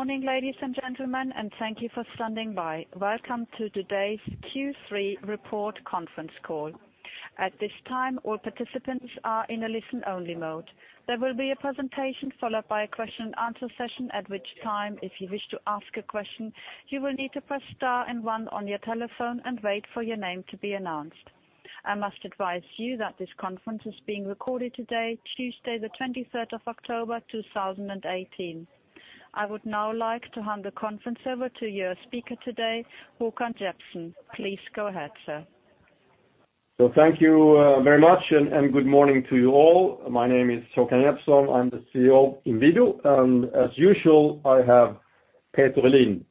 Morning, ladies and gentlemen. Thank you for standing by. Welcome to today's Q3 report conference call. At this time, all participants are in a listen-only mode. There will be a presentation followed by a question-and-answer session, at which time, if you wish to ask a question, you will need to press star 1 on your telephone and wait for your name to be announced. I must advise you that this conference is being recorded today, Tuesday the 23rd of October, 2018. I would now like to hand the conference over to your speaker today, Håkan Jeppsson. Please go ahead, sir. Thank you very much. Good morning to you all. My name is Håkan Jeppsson. I'm the CEO of Inwido, and as usual, I have Peter Welin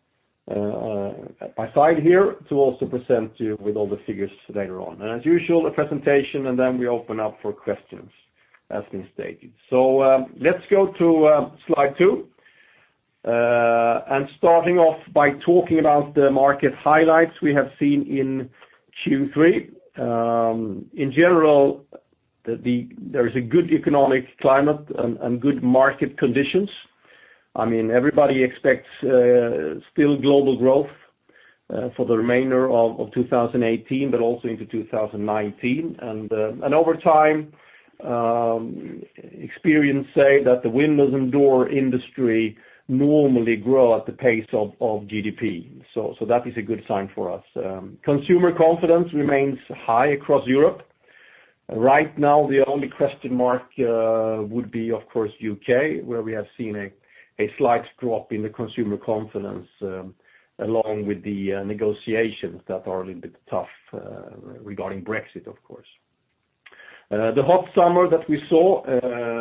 at my side here to also present you with all the figures later on. As usual, a presentation. Then we open up for questions as been stated. Let's go to slide two. Starting off by talking about the market highlights we have seen in Q3. In general, there is a good economic climate and good market conditions. Everybody expects still global growth for the remainder of 2018, but also into 2019. Over time, experience say that the windows and door industry normally grow at the pace of GDP. That is a good sign for us. Consumer confidence remains high across Europe. Right now, the only question mark would be, of course, U.K., where we have seen a slight drop in the consumer confidence, along with the negotiations that are a little bit tough regarding Brexit, of course. The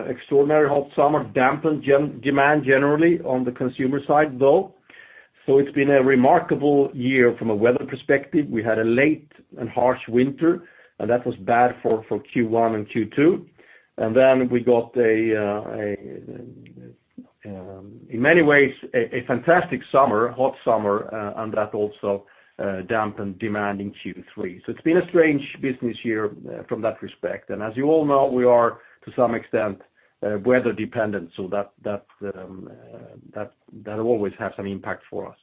extraordinary hot summer that we saw dampened demand generally on the consumer side, though. It's been a remarkable year from a weather perspective. We had a late and harsh winter. That was bad for Q1 and Q2. We got in many ways, a fantastic hot summer. That also dampened demand in Q3. It's been a strange business year from that respect. As you all know, we are to some extent, weather dependent. That always have some impact for us.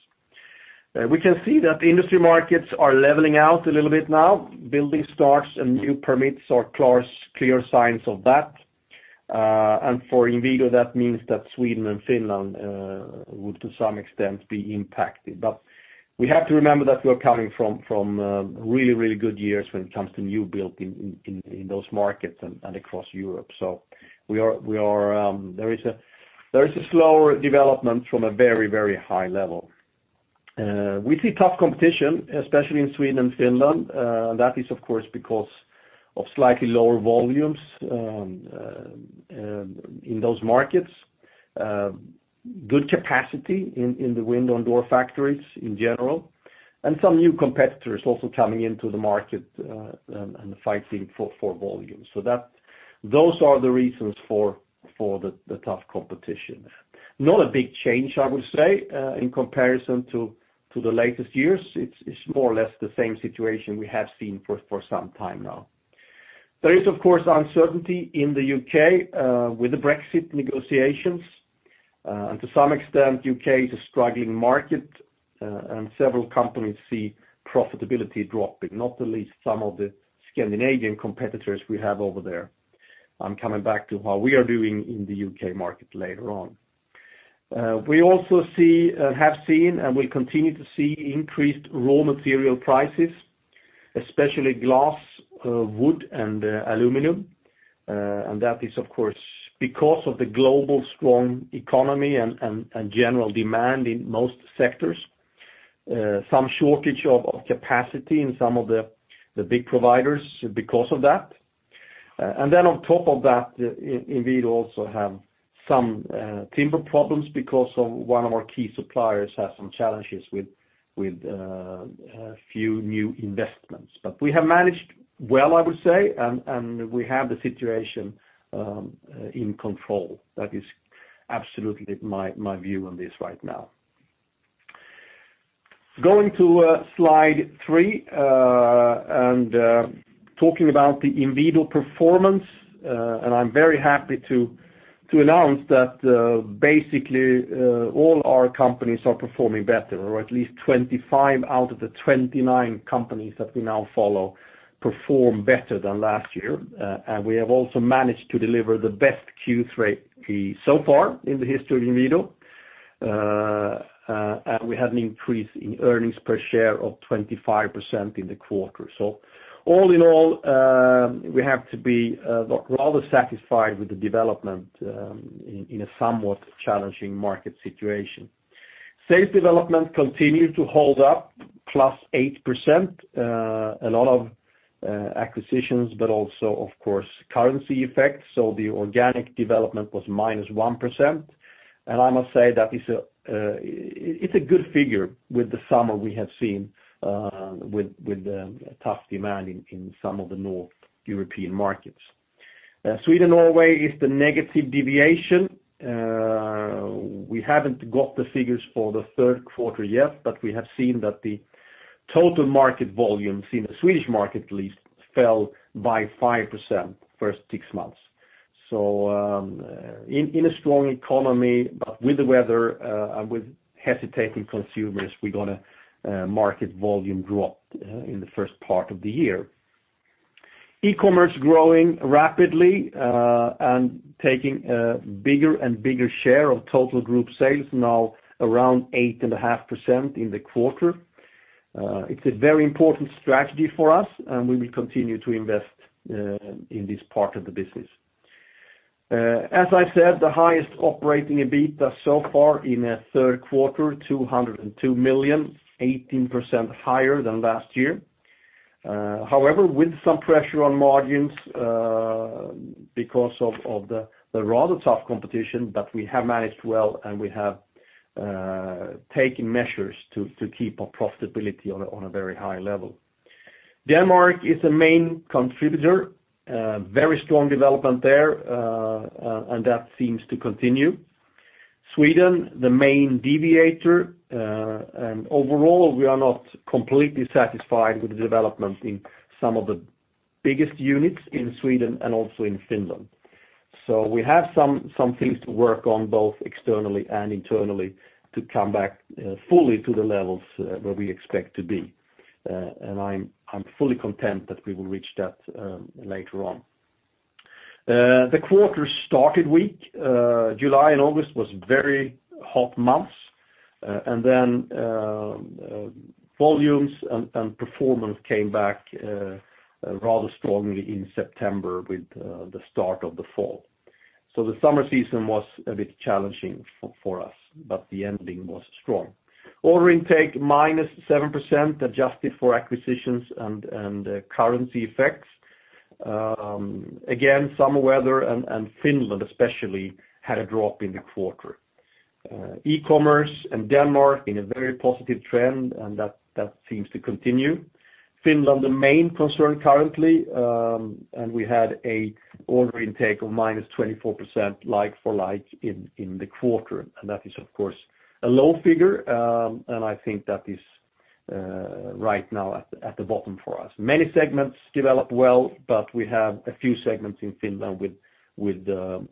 We can see that the industry markets are leveling out a little bit now. Building starts and new permits are clear signs of that. For Inwido, that means that Sweden and Finland would, to some extent, be impacted. We have to remember that we're coming from really good years when it comes to new build in those markets and across Europe. There is a slower development from a very high level. We see tough competition, especially in Sweden and Finland. That is of course, because of slightly lower volumes in those markets. Good capacity in the window and door factories in general. Some new competitors also coming into the market, and fighting for volume. Those are the reasons for the tough competition. Not a big change, I would say, in comparison to the latest years. It's more or less the same situation we have seen for some time now. There is, of course, uncertainty in the U.K. with the Brexit negotiations. To some extent, U.K. is a struggling market, and several companies see profitability dropping, not the least some of the Scandinavian competitors we have over there. I'm coming back to how we are doing in the U.K. market later on. We also have seen and will continue to see increased raw material prices, especially glass, wood and aluminum. That is of course, because of the global strong economy and general demand in most sectors. Some shortage of capacity in some of the big providers because of that. On top of that, Inwido also have some timber problems because of one of our key suppliers has some challenges with a few new investments. We have managed well, I would say, and we have the situation in control. That is absolutely my view on this right now. Going to slide three, talking about the Inwido performance. I'm very happy to announce that basically, all our companies are performing better, or at least 25 out of the 29 companies that we now follow perform better than last year. We have also managed to deliver the best Q3 so far in the history of Inwido. We had an increase in earnings per share of 25% in the quarter. All in all, we have to be rather satisfied with the development in a somewhat challenging market situation. Sales development continued to hold up, +8%. A lot of acquisitions, but also of course, currency effects. The organic development was -1%. I must say that it's a good figure with the summer we have seen with tough demand in some of the North European markets. Sweden, Norway is the negative deviation. We haven't got the figures for the third quarter yet, but we have seen that the total market volumes in the Swedish market at least fell by 5% first six months. In a strong economy, but with the weather and with hesitating consumers, we got a market volume drop in the first part of the year. e-commerce growing rapidly and taking a bigger and bigger share of total group sales, now around 8.5% in the quarter. It's a very important strategy for us, and we will continue to invest in this part of the business. As I said, the highest operating EBITDA so far in a third quarter, 202 million, 18% higher than last year. However, with some pressure on margins because of the rather tough competition, but we have managed well, and we have taken measures to keep our profitability on a very high level. Denmark is a main contributor. Very strong development there, and that seems to continue. Sweden, the main deviator. Overall, we are not completely satisfied with the development in some of the biggest units in Sweden and also in Finland. We have some things to work on, both externally and internally, to come back fully to the levels where we expect to be. I'm fully content that we will reach that later on. The quarter started weak. July and August was very hot months, and then volumes and performance came back rather strongly in September with the start of the fall. The summer season was a bit challenging for us, but the ending was strong. Order intake, -7%, adjusted for acquisitions and currency effects. Again, summer weather and Finland especially had a drop in the quarter. e-commerce and Denmark in a very positive trend, that seems to continue. Finland the main concern currently, we had an order intake of -24% like-for-like in the quarter. That is of course a low figure, I think that is right now at the bottom for us. Many segments developed well, but we have a few segments in Finland with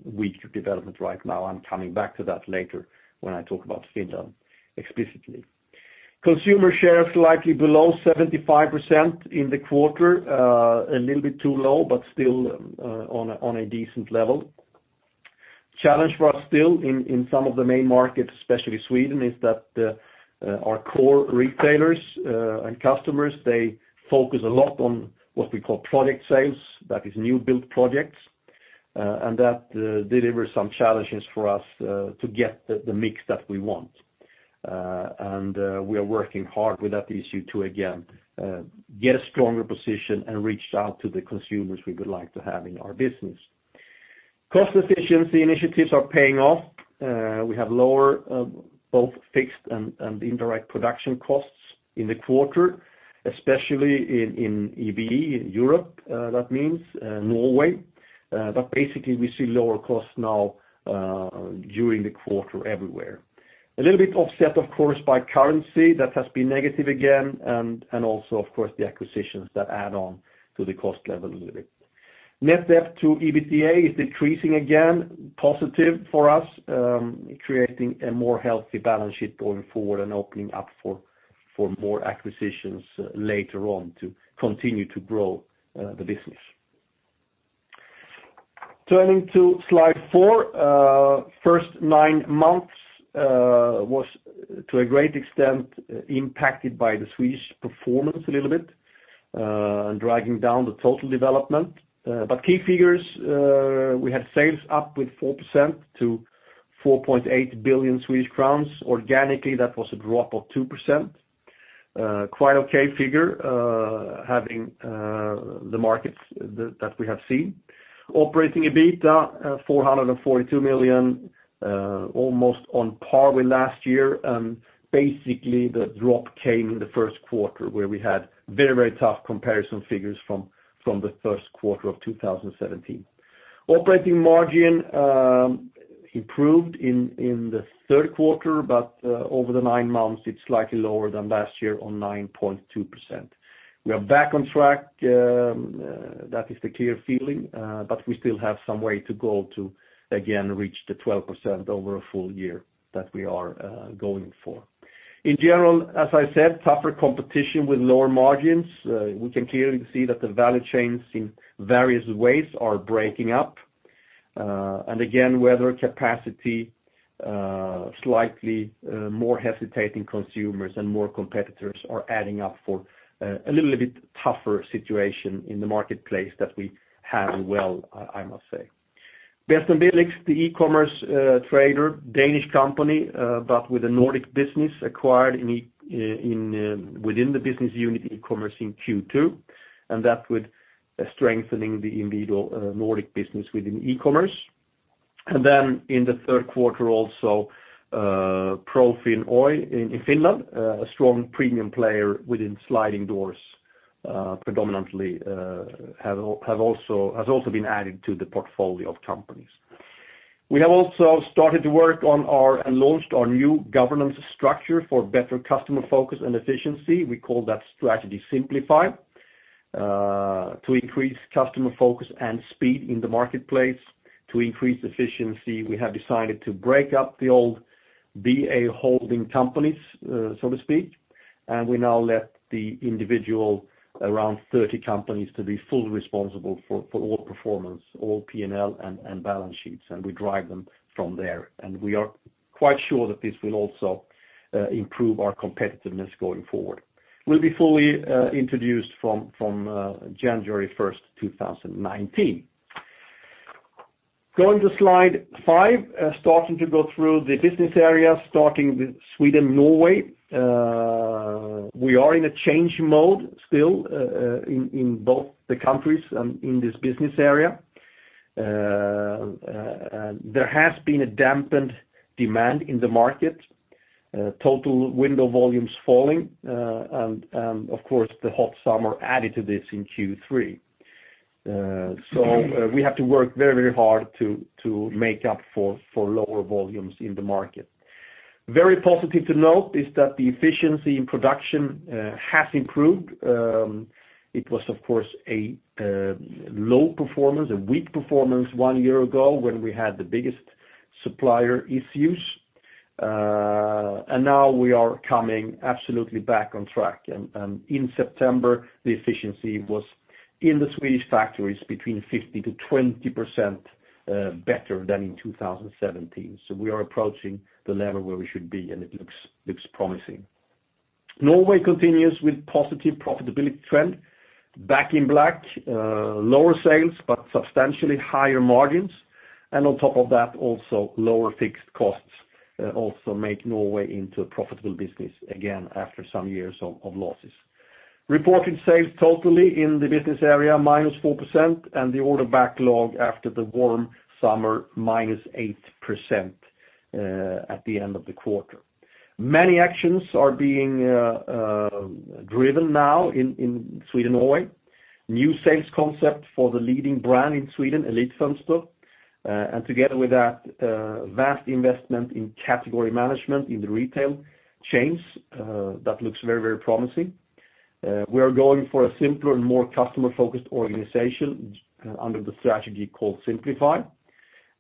weaker development right now. I'm coming back to that later when I talk about Finland explicitly. Consumer share slightly below 75% in the quarter. A little bit too low, but still on a decent level. Challenge for us still in some of the main markets, especially Sweden, is that our core retailers and customers, they focus a lot on what we call product sales, that is new build projects, that delivers some challenges for us to get the mix that we want. We are working hard with that issue to again get a stronger position and reach out to the consumers we would like to have in our business. Cost efficiency initiatives are paying off. We have lower both fixed and indirect production costs in the quarter, especially in EBE, in Europe, that means Norway. Basically, we see lower costs now during the quarter everywhere. A little bit offset, of course, by currency. That has been negative again, and also, of course, the acquisitions that add on to the cost level a little bit. Net debt to EBITDA is decreasing again, positive for us, creating a more healthy balance sheet going forward and opening up for more acquisitions later on to continue to grow the business. Turning to slide four. First nine months was, to a great extent, impacted by the Swedish performance a little bit and dragging down the total development. Key figures, we had sales up with 4% to 4.8 billion Swedish crowns. Organically, that was a drop of 2%. Quite okay figure, having the markets that we have seen. Operating EBITDA, 442 million, almost on par with last year. Basically, the drop came in the first quarter, where we had very tough comparison figures from the first quarter of 2017. Operating margin improved in the third quarter, but over the nine months, it's slightly lower than last year on 9.2%. We are back on track. That is the clear feeling. We still have some way to go to again reach the 12% over a full year that we are going for. In general, as I said, tougher competition with lower margins. We can clearly see that the value chains in various ways are breaking up. Again, weather capacity, slightly more hesitating consumers, and more competitors are adding up for a little bit tougher situation in the marketplace that we had well, I must say. Bedst & Billigst, the e-commerce trader, Danish company, but with a Nordic business acquired within the business unit e-commerce in Q2, and that with strengthening the Inwido Nordic business within e-commerce. Then in the third quarter also Profin Oy in Finland, a strong premium player within sliding doors predominantly has also been added to the portfolio of companies. We have also started to work on and launched our new governance structure for better customer focus and efficiency. We call that Strategy Simplify. To increase customer focus and speed in the marketplace, to increase efficiency, we have decided to break up the old BA holding companies, so to speak, and we now let the individual around 30 companies to be fully responsible for all performance, all P&L, and balance sheets, and we drive them from there. We are quite sure that this will also improve our competitiveness going forward. Will be fully introduced from January 1st, 2019. Going to slide five, starting to go through the business areas, starting with Sweden, Norway. We are in a change mode still in both the countries and in this business area. There has been a dampened demand in the market, total window volumes falling, of course, the hot summer added to this in Q3. We have to work very hard to make up for lower volumes in the market. Very positive to note is that the efficiency in production has improved. It was, of course, a low performance, a weak performance one year ago when we had the biggest supplier issues. Now we are coming absolutely back on track. In September, the efficiency was in the Swedish factories between 15%-20% better than in 2017. We are approaching the level where we should be, and it looks promising. Norway continues with positive profitability trend, back in black, lower sales, substantially higher margins, and on top of that, also lower fixed costs also make Norway into a profitable business again after some years of losses. Reported sales totally in the business area, minus 4%, and the order backlog after the warm summer, minus 8% at the end of the quarter. Many actions are being driven now in Sweden, Norway. New sales concept for the leading brand in Sweden, Elitfönster, together with that, vast investment in category management in the retail chains. That looks very promising. We are going for a simpler and more customer-focused organization under the strategy called Simplify.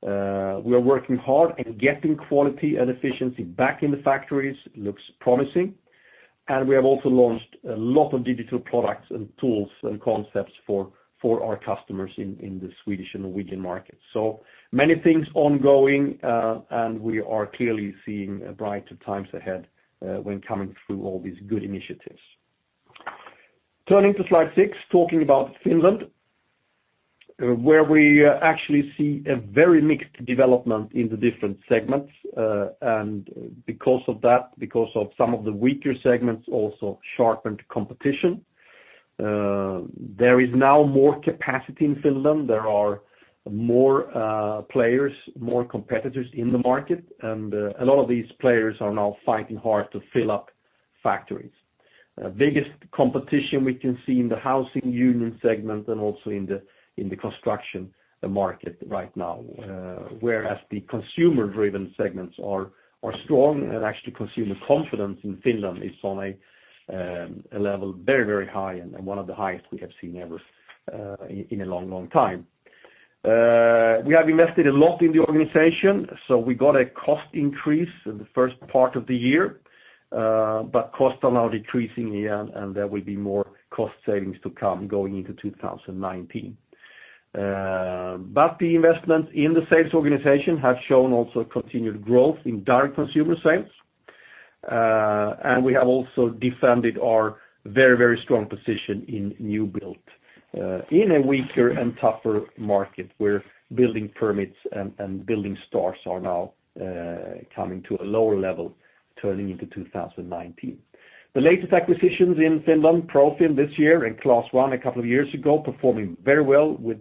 We are working hard at getting quality and efficiency back in the factories, looks promising. We have also launched a lot of digital products and tools and concepts for our customers in the Swedish and Norwegian markets. Many things ongoing, and we are clearly seeing brighter times ahead when coming through all these good initiatives. Turning to slide six, talking about Finland, where we actually see a very mixed development in the different segments. Because of that, because of some of the weaker segments, also sharpened competition. There is now more capacity in Finland. There are more players, more competitors in the market, a lot of these players are now fighting hard to fill up factories. Biggest competition we can see in the housing union segment also in the construction market right now, whereas the consumer-driven segments are strong, actually consumer confidence in Finland is on a level very high and one of the highest we have seen ever in a long time. We have invested a lot in the organization, we got a cost increase in the first part of the year, costs are now decreasing again, there will be more cost savings to come going into 2019. The investment in the sales organization has shown also continued growth in direct consumer sales. We have also defended our very strong position in new build in a weaker and tougher market where building permits and building starts are now coming to a lower level turning into 2019. The latest acquisitions in Finland, Profin this year and Klas1 a couple of years ago, performing very well with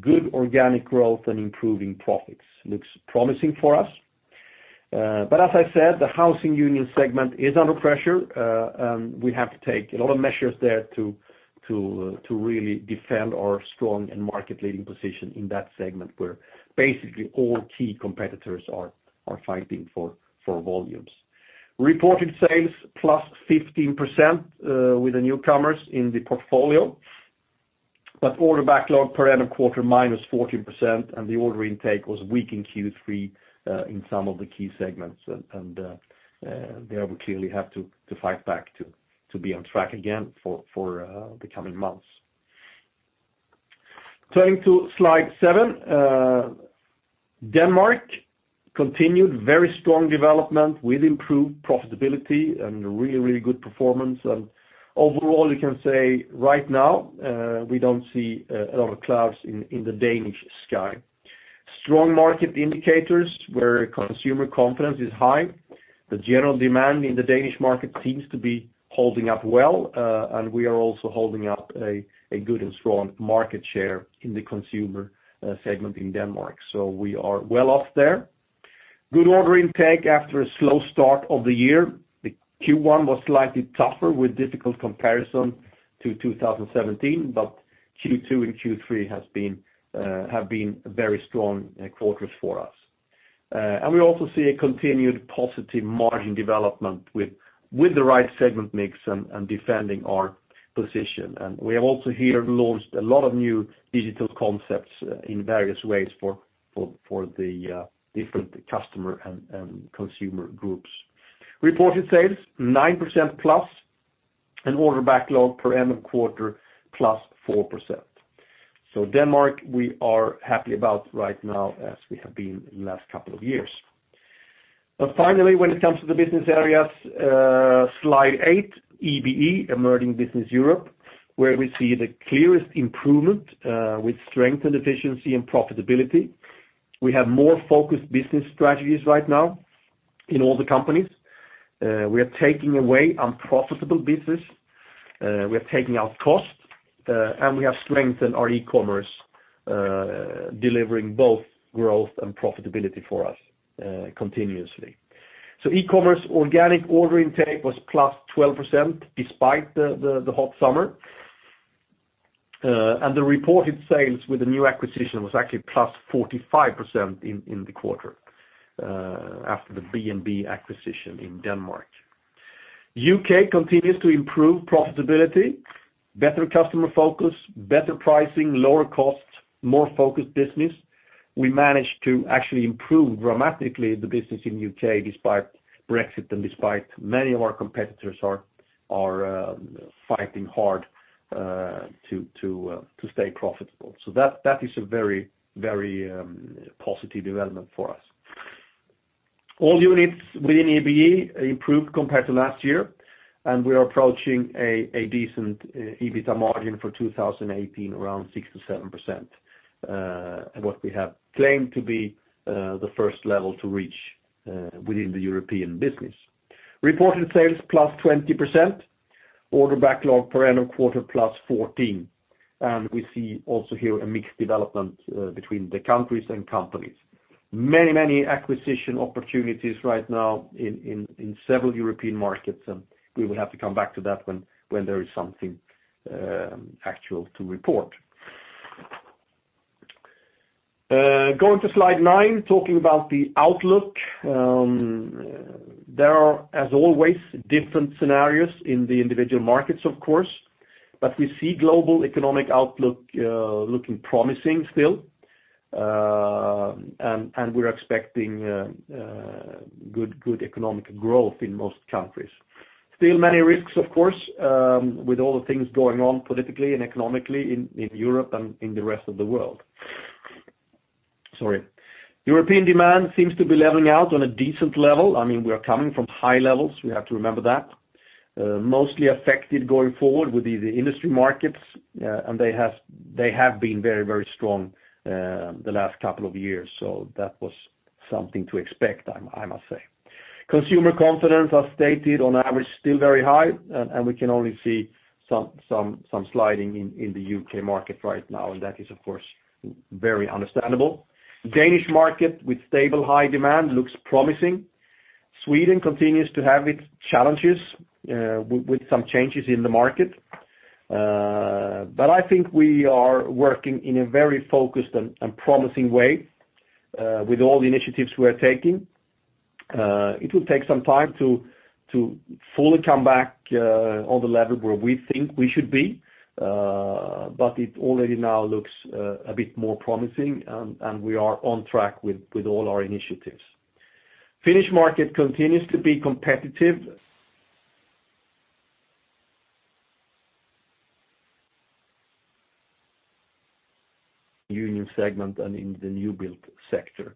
good organic growth and improving profits. Looks promising for us. As I said, the housing union segment is under pressure. We have to take a lot of measures there to really defend our strong and market-leading position in that segment where basically all key competitors are fighting for volumes. Reported sales plus 15% with the newcomers in the portfolio, but order backlog per end of quarter minus 14%, the order intake was weak in Q3 in some of the key segments. There we clearly have to fight back to be on track again for the coming months. Turning to slide seven. Denmark continued very strong development with improved profitability and really good performance. Overall, you can say right now, we don't see a lot of clouds in the Danish sky. Strong market indicators where consumer confidence is high. The general demand in the Danish market seems to be holding up well, and we are also holding up a good and strong market share in the consumer segment in Denmark. We are well off there. Good order intake after a slow start of the year. The Q1 was slightly tougher with difficult comparison to 2017, but Q2 and Q3 have been very strong quarters for us. We also see a continued positive margin development with the right segment mix and defending our position. We have also here launched a lot of new digital concepts in various ways for the different customer and consumer groups. Reported sales 9% plus and order backlog per end of quarter plus 4%. Denmark, we are happy about right now as we have been in the last couple of years. Finally, when it comes to the business areas, slide eight, EBE, Emerging Business Europe, where we see the clearest improvement with strength and efficiency and profitability. We have more focused business strategies right now in all the companies. We are taking away unprofitable business, we are taking out costs. We have strengthened our e-commerce, delivering both growth and profitability for us continuously. e-commerce organic order intake was plus 12%, despite the hot summer. The reported sales with the new acquisition was actually plus 45% in the quarter after the B&B acquisition in Denmark. U.K. continues to improve profitability, better customer focus, better pricing, lower costs, more focused business. We managed to actually improve dramatically the business in U.K. despite Brexit and despite many of our competitors are fighting hard to stay profitable. That is a very positive development for us. All units within EBE improved compared to last year. We are approaching a decent EBITA margin for 2018, around 6-7%, what we have claimed to be the first level to reach within the European business. Reported sales plus 20%, order backlog per end of quarter plus 14%. We see also here a mixed development between the countries and companies. Many acquisition opportunities right now in several European markets. We will have to come back to that when there is something actual to report. Going to slide nine, talking about the outlook. There are, as always, different scenarios in the individual markets, of course, but we see global economic outlook looking promising still. We're expecting good economic growth in most countries. Still many risks, of course, with all the things going on politically and economically in Europe and in the rest of the world. Sorry. European demand seems to be leveling out on a decent level. We are coming from high levels, we have to remember that. Mostly affected going forward will be the industry markets, and they have been very strong the last couple of years, so that was something to expect, I must say. Consumer confidence, as stated, on average, still very high, and we can only see some sliding in the U.K. market right now, and that is, of course, very understandable. Danish market with stable high demand looks promising. Sweden continues to have its challenges with some changes in the market. I think we are working in a very focused and promising way with all the initiatives we are taking. It will take some time to fully come back on the level where we think we should be, but it already now looks a bit more promising, and we are on track with all our initiatives. Finnish market continues to be competitive. Union segment and in the new-build sector.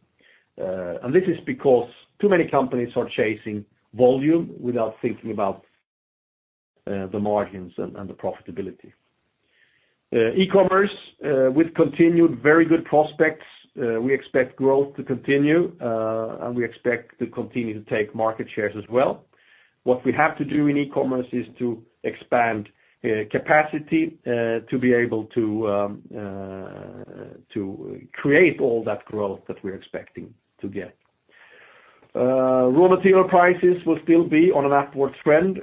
This is because too many companies are chasing volume without thinking about the margins and the profitability. e-commerce with continued very good prospects. We expect growth to continue, and we expect to continue to take market shares as well. What we have to do in e-commerce is to expand capacity to be able to create all that growth that we're expecting to get. Raw material prices will still be on an upward trend,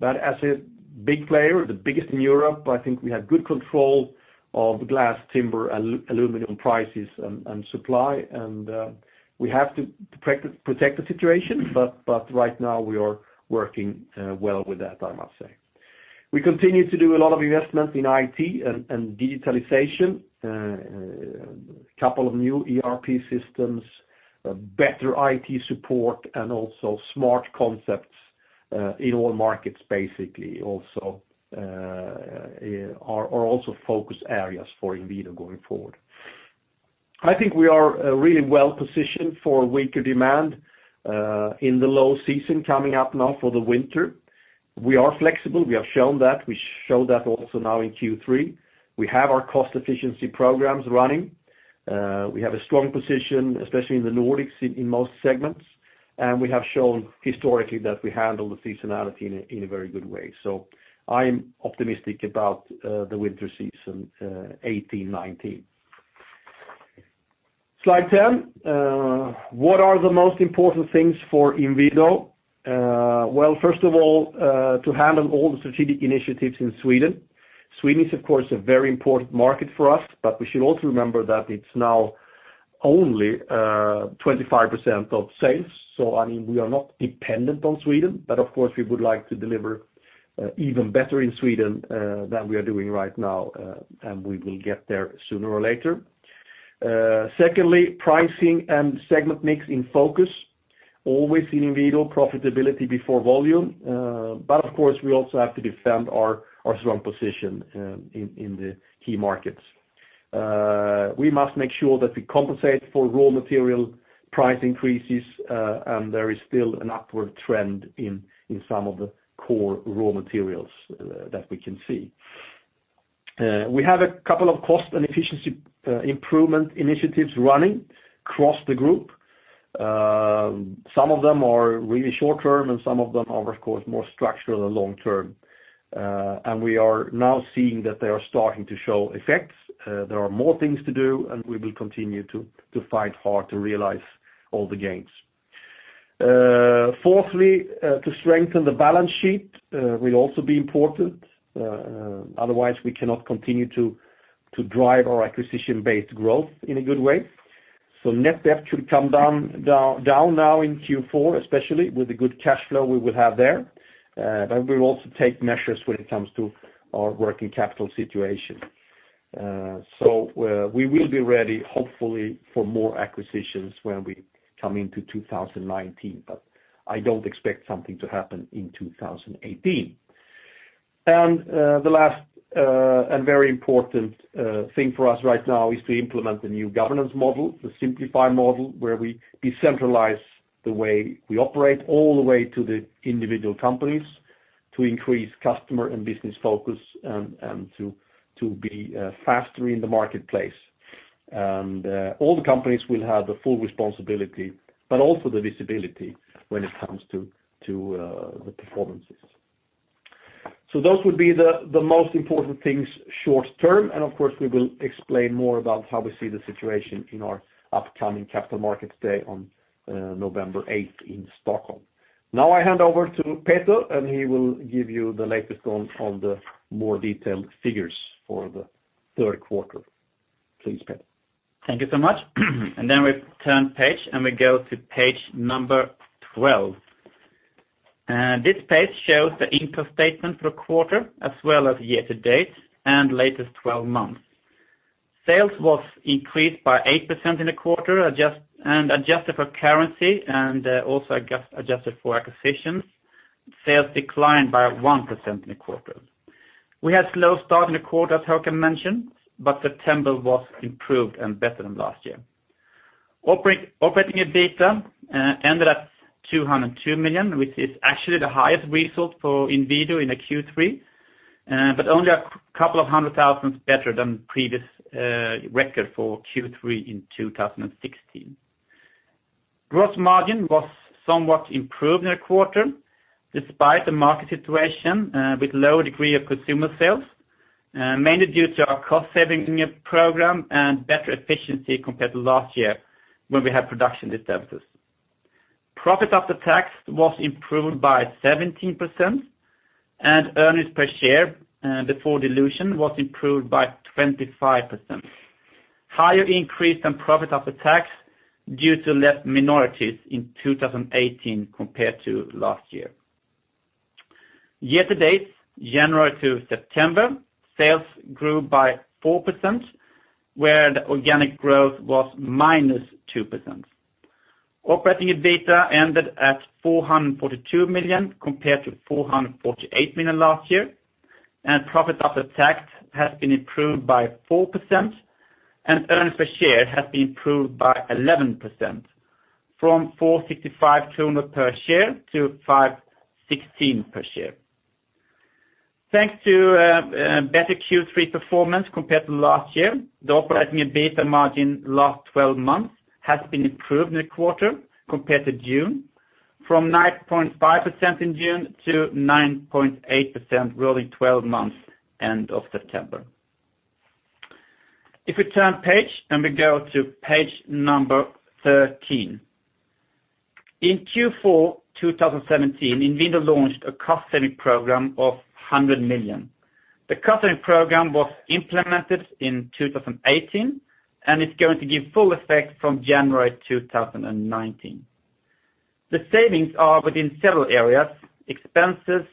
but as a big player, the biggest in Europe, I think we have good control of glass, timber, aluminum prices and supply. We have to protect the situation, but right now we are working well with that, I must say. We continue to do a lot of investments in IT and digitalization. A couple of new ERP systems, better IT support, and also smart concepts in all markets, basically, are also focus areas for Inwido going forward. I think we are really well-positioned for weaker demand in the low season coming up now for the winter. We are flexible. We have shown that. We show that also now in Q3. We have our cost efficiency programs running. We have a strong position, especially in the Nordics, in most segments. We have shown historically that we handle the seasonality in a very good way. I am optimistic about the winter season 2018-2019. Slide 10. What are the most important things for Inwido? Well, first of all, to handle all the strategic initiatives in Sweden. Sweden is, of course, a very important market for us, but we should also remember that it's now only 25% of sales. We are not dependent on Sweden, but of course, we would like to deliver even better in Sweden than we are doing right now, and we will get there sooner or later. Secondly, pricing and segment mix in focus, always in Inwido, profitability before volume. Of course, we also have to defend our strong position in the key markets. We must make sure that we compensate for raw material price increases. There is still an upward trend in some of the core raw materials that we can see. We have a couple of cost and efficiency improvement initiatives running across the group. Some of them are really short-term, and some of them are, of course, more structural and long-term. We are now seeing that they are starting to show effects. There are more things to do, and we will continue to fight hard to realize all the gains. Fourthly, to strengthen the balance sheet will also be important. Otherwise, we cannot continue to drive our acquisition-based growth in a good way. Net debt should come down now in Q4, especially with the good cash flow we will have there. We will also take measures when it comes to our working capital situation. We will be ready, hopefully, for more acquisitions when we come into 2019, but I don't expect something to happen in 2018. The last and very important thing for us right now is to implement the new governance model, the Simplify model, where we decentralize the way we operate all the way to the individual companies to increase customer and business focus and to be faster in the marketplace. All the companies will have the full responsibility but also the visibility when it comes to the performances. Those would be the most important things short-term, and of course, we will explain more about how we see the situation in our upcoming capital markets day on November 8th in Stockholm. Now I hand over to Peter. He will give you the latest on the more detailed figures for the third quarter. Please, Peter. Thank you so much. We turn page. We go to page number 12. This page shows the income statement for the quarter as well as year to date and latest 12 months. Sales was increased by 8% in the quarter. Adjusted for currency and also adjusted for acquisitions, sales declined by 1% in the quarter. We had a slow start in the quarter, as Håkan mentioned, but September was improved and better than last year. Operating EBITDA ended at 202 million, which is actually the highest result for Inwido in a Q3, but only a couple of hundred thousand better than previous record for Q3 in 2016. Gross margin was somewhat improved in the quarter despite the market situation with lower degree of consumer sales, mainly due to our cost-saving program and better efficiency compared to last year when we had production disturbances. Profit after tax was improved by 17%. Earnings per share before dilution was improved by 25%. Higher increase in profit after tax due to less minorities in 2018 compared to last year. Year to date, January to September, sales grew by 4%, where the organic growth was minus 2%. Operating EBITDA ended at 442 million compared to 448 million last year. Profit after tax has been improved by 4%. Earnings per share has been improved by 11%, from 4.65 kronor per share to 5.16 per share. Thanks to better Q3 performance compared to last year, the operating EBITDA margin last 12 months has been improved in the quarter compared to June, from 9.5% in June to 9.8% rolling 12 months end of September. We turn page. We go to page number 13. In Q4 2017, Inwido launched a cost-saving program of 100 million. The cost-saving program was implemented in 2018 and is going to give full effect from January 2019. The savings are within several areas, expenses,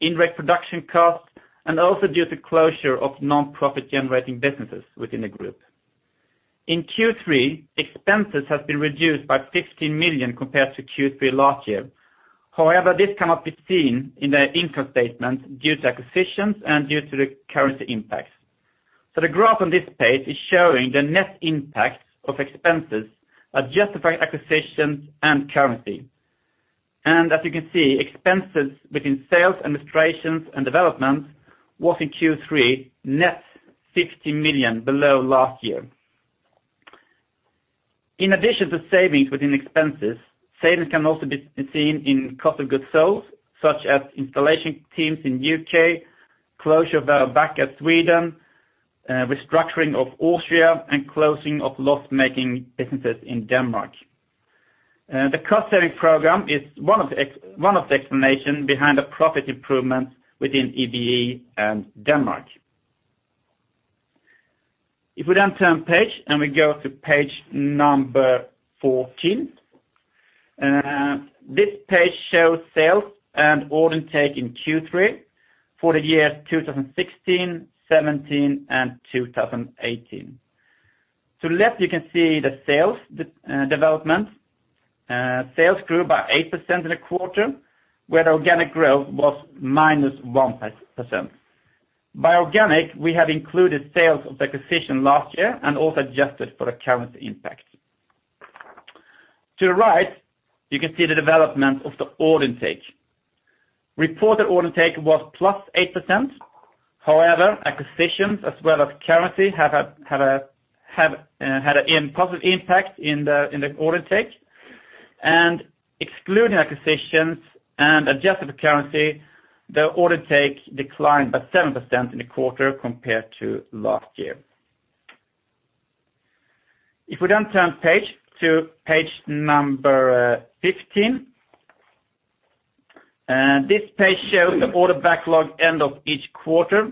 in reproduction costs, and also due to closure of non-profit-generating businesses within the group. In Q3, expenses have been reduced by 15 million compared to Q3 last year. However, this cannot be seen in the income statement due to acquisitions and due to the currency impacts. The graph on this page is showing the net impact of expenses, adjusted for acquisitions and currency. As you can see, expenses between sales, administrations, and developments was in Q3 net 15 million below last year. In addition to savings within expenses, savings can also be seen in cost of goods sold, such as installation teams in U.K., closure of B&B Sweden, restructuring of Austria, and closing of loss-making businesses in Denmark. The cost-savings program is one of the explanations behind the profit improvements within EBE and Denmark. We turn page and we go to page 14. This page shows sales and order take in Q3 for the year 2016, 2017, and 2018. To the left, you can see the sales development. Sales grew by 8% in the quarter, where the organic growth was -1%. By organic, we have included sales of the acquisition last year and also adjusted for the currency impact. To the right, you can see the development of the order take. Reported order take was +8%. However, acquisitions as well as currency had a positive impact in the order take. Excluding acquisitions and adjusted for currency, the order take declined by 7% in the quarter compared to last year. We turn page to page 15. This page shows the order backlog end of each quarter.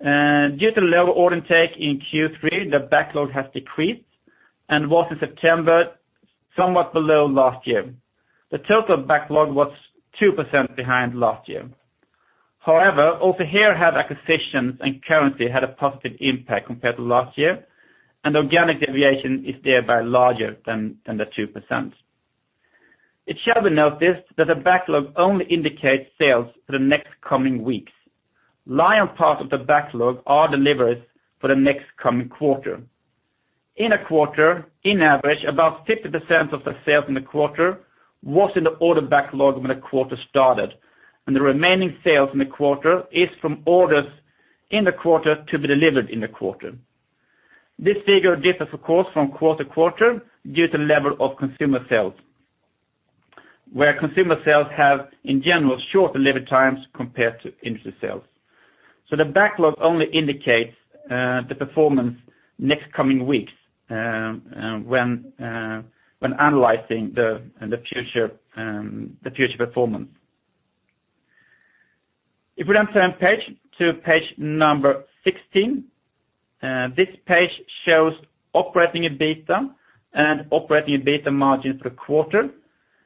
Due to low order intake in Q3, the backlog has decreased and was in September somewhat below last year. The total backlog was 2% behind last year. Also here have acquisitions and currency had a positive impact compared to last year, and organic deviation is thereby larger than the 2%. It should be noticed that the backlog only indicates sales for the next coming weeks. Lion's share of the backlog are deliveries for the next coming quarter. In a quarter, in average, about 50% of the sales in the quarter was in the order backlog when the quarter started, and the remaining sales in the quarter is from orders in the quarter to be delivered in the quarter. This figure differs, of course, from quarter to quarter due to level of consumer sales, where consumer sales have, in general, shorter delivery times compared to industry sales. The backlog only indicates the performance next coming weeks when analyzing the future performance. We turn page to page 16. This page shows operating EBITDA and operating EBITDA margin for the quarter,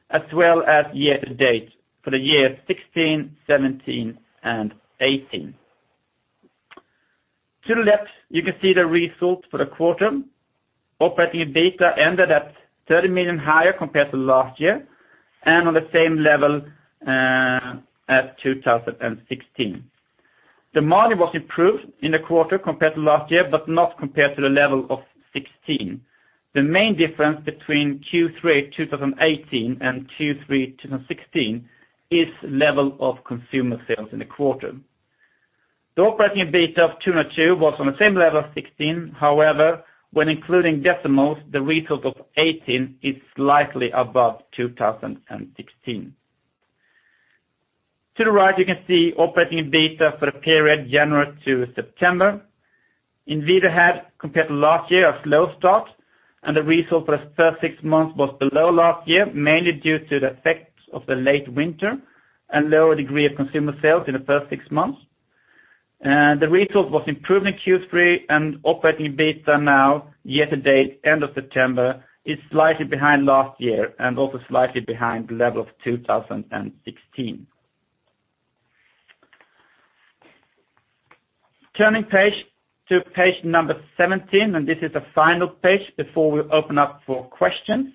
as well as year to date for the year 2016, 2017, and 2018. To the left, you can see the results for the quarter. Operating EBITDA ended at 30 million higher compared to last year and on the same level as 2016. The margin was improved in the quarter compared to last year, but not compared to the level of 2016. The main difference between Q3 2018 and Q3 2016 is level of consumer sales in the quarter. The operating EBITDA of 2016 was on the same level as 2016. When including decimals, the result of 2018 is slightly above 2016. To the right, you can see operating EBITDA for the period January to September. Inwido had compared to last year a slow start, and the result for the first six months was below last year, mainly due to the effect of the late winter and lower degree of consumer sales in the first six months. The result was improved in Q3 and operating EBITDA now year to date end of September is slightly behind last year and also slightly behind the level of 2016. Turning to page 17, this is the final page before we open up for questions.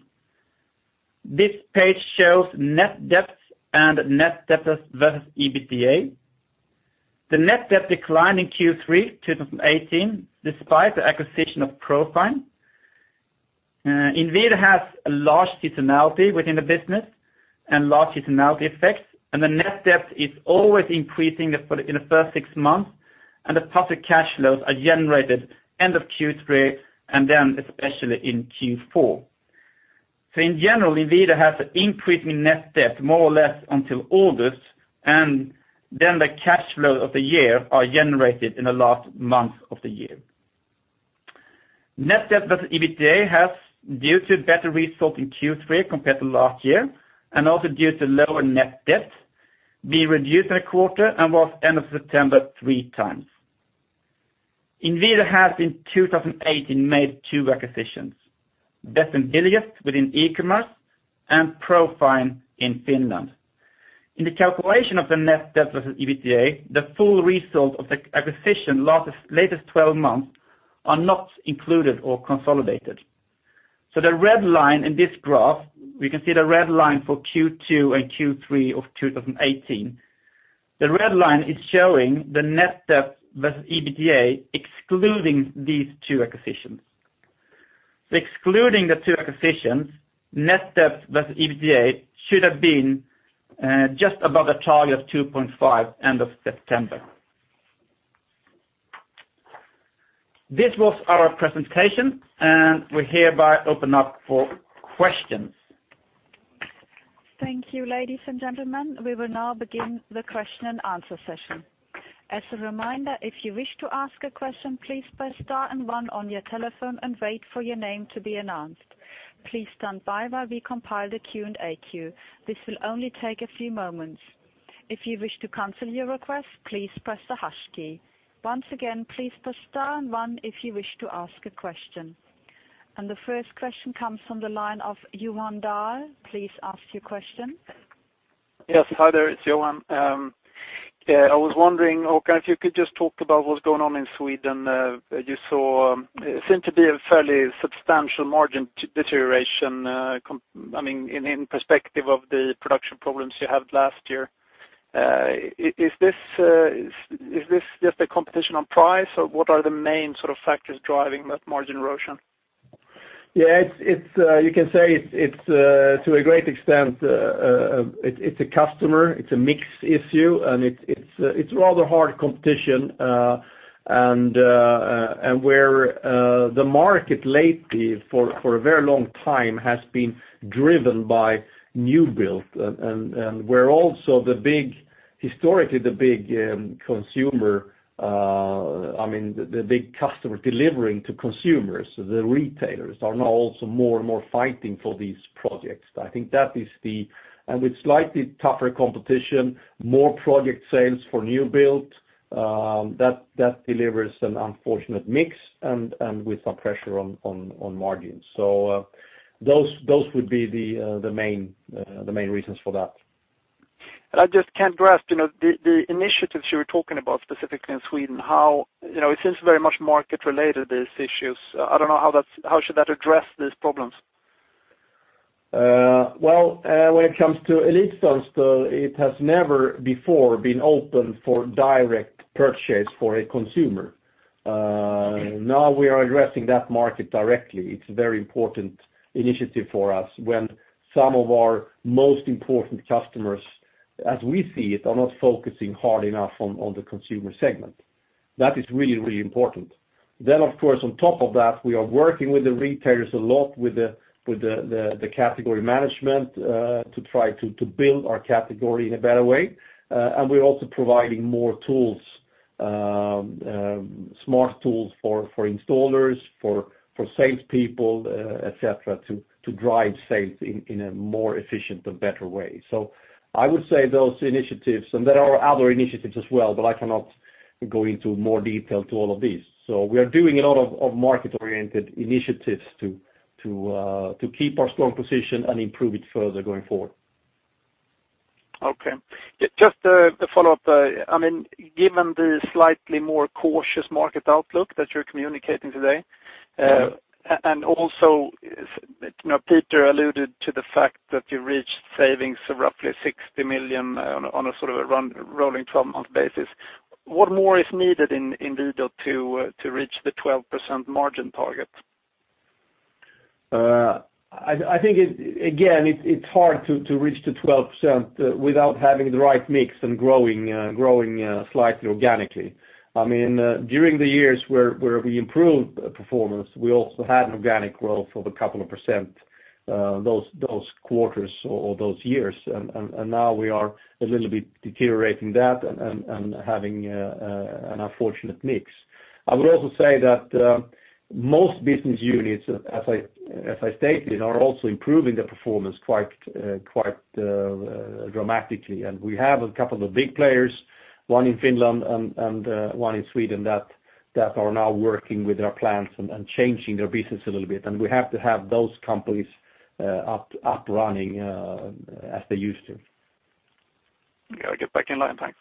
This page shows net debt and net debtors versus EBITDA. The net debt declined in Q3 2018 despite the acquisition of Profin. Inwido has a large seasonality within the business and large seasonality effects. The net debt is always increasing in the first six months, and the positive cash flows are generated end of Q3 and especially in Q4. In general, Inwido has an increasing net debt more or less until August, and the cash flow of the year are generated in the last month of the year. Net debt versus EBITDA has, due to better result in Q3 compared to last year, due to lower net debt, been reduced in a quarter and was end of September 3x. Inwido has in 2018 made two acquisitions, Bedst & Billigst within e-commerce and Profin in Finland. In the calculation of the net debt versus EBITDA, the full result of the acquisition latest 12 months are not included or consolidated. The red line in this graph, we can see the red line for Q2 and Q3 of 2018. The red line is showing the net debt versus EBITDA excluding these two acquisitions. Excluding the two acquisitions, net debt plus EBITDA should have been just above the target of 2.5 end of September. This was our presentation, we hereby open up for questions. Thank you, ladies and gentlemen. We will now begin the question and answer session. As a reminder, if you wish to ask a question, please press star and one on your telephone and wait for your name to be announced. Please stand by while we compile the Q&A queue. This will only take a few moments. If you wish to cancel your request, please press the hash key. Once again, please press star and one if you wish to ask a question. The first question comes from the line of Johan Dahl. Please ask your question. Yes. Hi there, it's Johan. I was wondering, Håkan, if you could just talk about what's going on in Sweden. You seem to be a fairly substantial margin deterioration, in perspective of the production problems you had last year. Is this just a competition on price, or what are the main sort of factors driving that margin erosion? Yes, you can say to a great extent it's a customer, it's a mix issue, and it's rather hard competition. Where the market lately, for a very long time, has been driven by new build and where also historically the big consumer, the big customer delivering to consumers, the retailers are now also more and more fighting for these projects. I think that is with slightly tougher competition, more project sales for new build, that delivers an unfortunate mix and with some pressure on margins. Those would be the main reasons for that. I just can't grasp the initiatives you were talking about specifically in Sweden. It seems very much market related, these issues. I don't know how should that address these problems? Well, when it comes to Elitfönster, it has never before been open for direct purchase for a consumer. Now we are addressing that market directly. It's a very important initiative for us when some of our most important customers, as we see it, are not focusing hard enough on the consumer segment. That is really important. Of course, on top of that, we are working with the retailers a lot with the category management to try to build our category in a better way. We're also providing more smart tools for installers, for salespeople, et cetera, to drive sales in a more efficient and better way. I would say those initiatives, and there are other initiatives as well, but I cannot go into more detail to all of these. We are doing a lot of market-oriented initiatives to keep our strong position and improve it further going forward. Okay. Just to follow up. Given the slightly more cautious market outlook that you're communicating today, also Peter alluded to the fact that you reached savings of roughly 60 million on a rolling 12-month basis. What more is needed in Inwido to reach the 12% margin target? I think, again, it's hard to reach the 12% without having the right mix and growing slightly organically. During the years where we improved performance, we also had an organic growth of a couple of % those quarters or those years. Now we are a little bit deteriorating that and having an unfortunate mix. I would also say that most business units, as I stated, are also improving their performance quite dramatically. We have a couple of big players, one in Finland and one in Sweden that are now working with their plants and changing their business a little bit. We have to have those companies up running as they used to. Yeah, I get back in line. Thanks.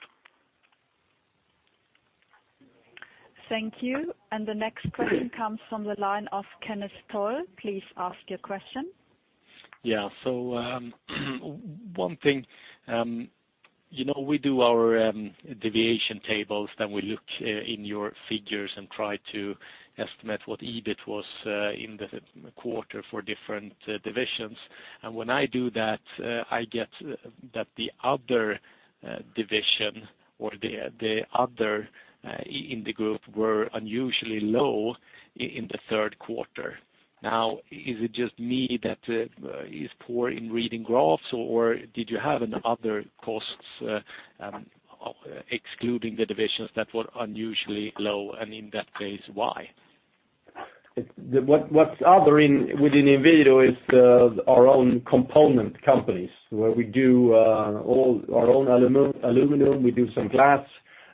Thank you. The next question comes from the line of Kenneth Toll. Please ask your question. Yeah. One thing, we do our deviation tables, then we look in your figures and try to estimate what EBIT was in the quarter for different divisions. When I do that, I get that the other division or the other in the group were unusually low in the third quarter. Now, is it just me that is poor in reading graphs, or did you have other costs excluding the divisions that were unusually low? In that case, why? What's other within Inwido is our own component companies where we do all our own aluminum, we do some glass,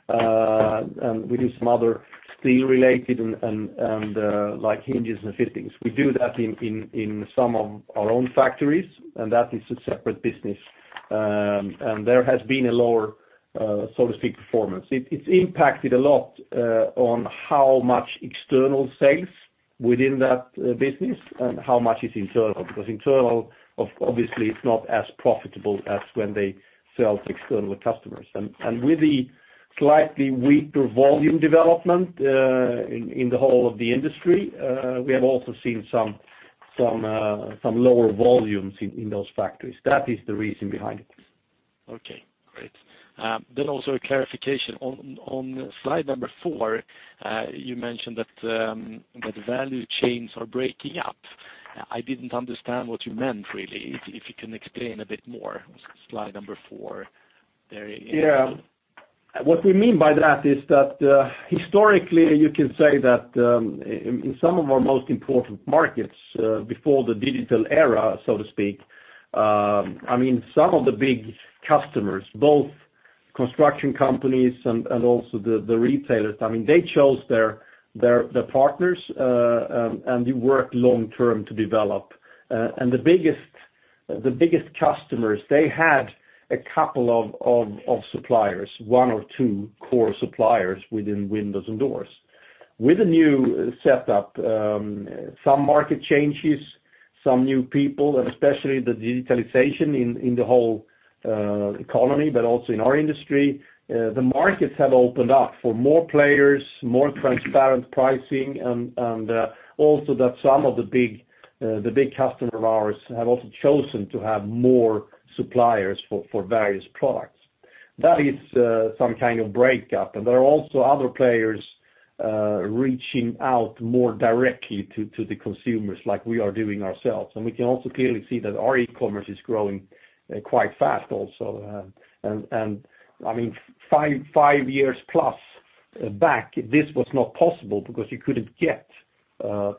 and we do some other steel related and like hinges and fittings. We do that in some of our own factories, and that is a separate business. There has been a lower so to speak performance. It's impacted a lot on how much external sales within that business and how much is internal. Internal obviously is not as profitable as when they sell to external customers. With the slightly weaker volume development in the whole of the industry, we have also seen some lower volumes in those factories. That is the reason behind it. Okay, great. Also a clarification on slide number four, you mentioned that the value chains are breaking up. I did not understand what you meant really. If you can explain a bit more, slide number four. There you go. Yeah. What we mean by that is that, historically you can say that in some of our most important markets before the digital era, so to speak, some of the big customers, both construction companies and also the retailers, they chose their partners, they worked long term to develop. The biggest customers, they had a couple of suppliers, one or two core suppliers within windows and doors. With the new setup, some market changes, some new people, especially the digitalization in the whole economy, but also in our industry, the markets have opened up for more players, more transparent pricing, also that some of the big customer of ours have also chosen to have more suppliers for various products. That is some kind of breakup. There are also other players, reaching out more directly to the consumers like we are doing ourselves. We can also clearly see that our e-commerce is growing quite fast also. Five years plus back, this was not possible because you could not get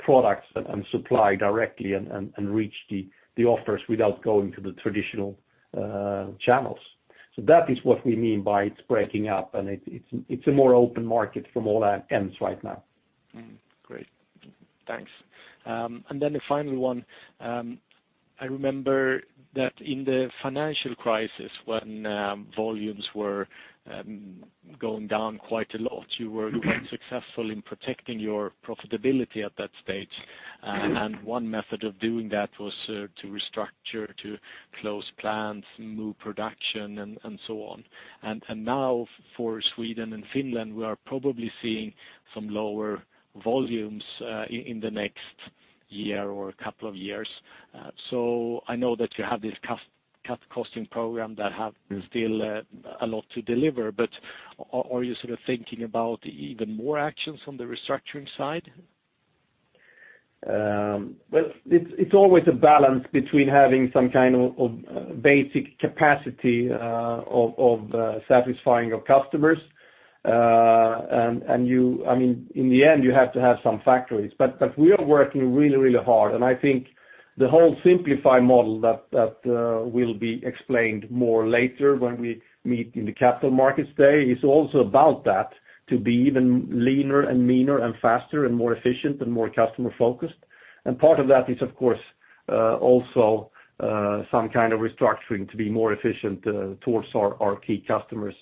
products and supply directly and reach the offers without going to the traditional channels. That is what we mean by it is breaking up and it is a more open market from all ends right now. Great, thanks. The final one, I remember that in the financial crisis when volumes were going down quite a lot, you were quite successful in protecting your profitability at that stage. One method of doing that was to restructure, to close plants, move production, and so on. Now for Sweden and Finland, we are probably seeing some lower volumes in the next year or a couple of years. I know that you have this cost cutting program that have still a lot to deliver, are you thinking about even more actions on the restructuring side? It's always a balance between having some kind of basic capacity of satisfying your customers. In the end, you have to have some factories. We are working really hard, and I think the whole Simplify model that will be explained more later when we meet in the capital markets day, is also about that, to be even leaner and meaner and faster and more efficient and more customer-focused. Part of that is, of course, also some kind of restructuring to be more efficient towards our key customers.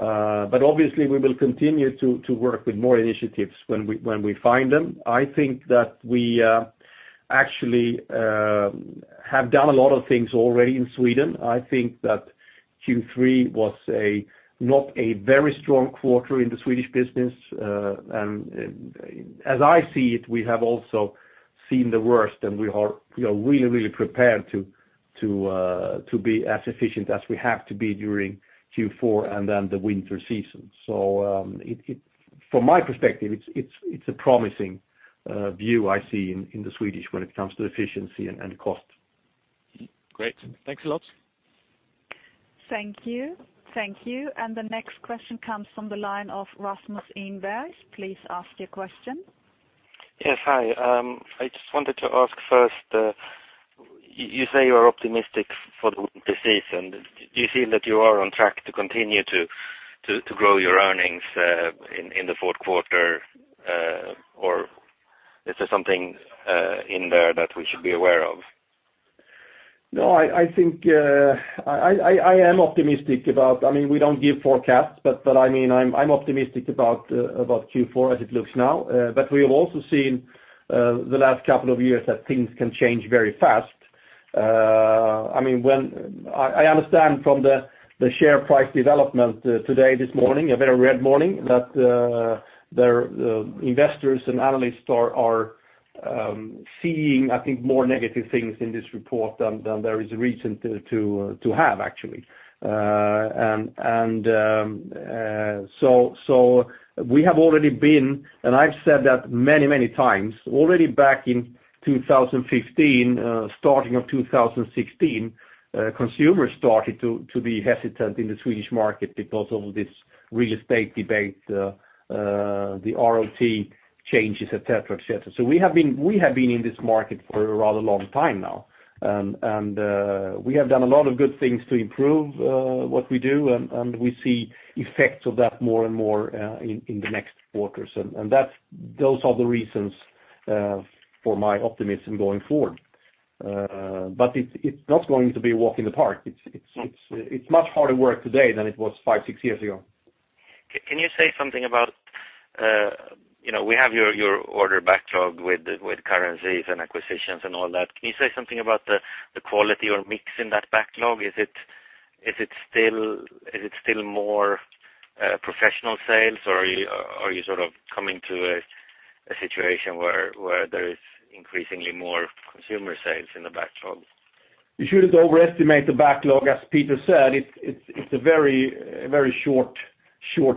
Obviously we will continue to work with more initiatives when we find them. I think that we actually have done a lot of things already in Sweden. I think that Q3 was not a very strong quarter in the Swedish business. As I see it, we have also seen the worst, we are really prepared to be as efficient as we have to be during Q4 the winter season. From my perspective, it's a promising view I see in the Swedish when it comes to efficiency and cost. Great. Thanks a lot. Thank you. The next question comes from the line of Rasmus Inberg. Please ask your question. Yes, hi. I just wanted to ask first, you say you are optimistic for the winter season. Do you feel that you are on track to continue to grow your earnings in the fourth quarter? Is there something in there that we should be aware of? No, We don't give forecasts, I'm optimistic about Q4 as it looks now. We have also seen the last couple of years that things can change very fast. I understand from the share price development today, this morning, a very red morning, that the investors and analysts are seeing, I think, more negative things in this report than there is reason to have actually. We have already been, and I've said that many times, already back in 2015, starting of 2016, consumers started to be hesitant in the Swedish market because of this real estate debate, the ROT changes, et cetera. We have been in this market for a rather long time now. We have done a lot of good things to improve what we do, and we see effects of that more and more in the next quarters. Those are the reasons for my optimism going forward. It's not going to be a walk in the park. It's much harder work today than it was five, six years ago. Can you say something about, we have your order backlog with currencies and acquisitions and all that. Can you say something about the quality or mix in that backlog? Is it still more professional sales, are you coming to a situation where there is increasingly more consumer sales in the backlog? You shouldn't overestimate the backlog. As Peter said, it's a very short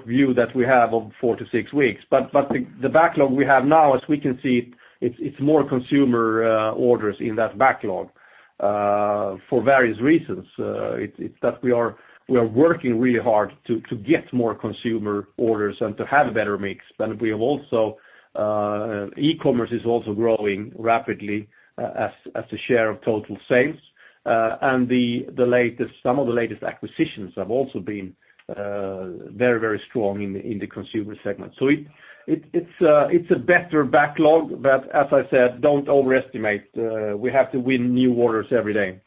view that we have of four to six weeks. The backlog we have now, as we can see, it's more consumer orders in that backlog for various reasons. It's that we are working really hard to get more consumer orders and to have a better mix. E-commerce is also growing rapidly as a share of total sales. Some of the latest acquisitions have also been very strong in the consumer segment. It's a better backlog, but as I said, don't overestimate. We have to win new orders every day.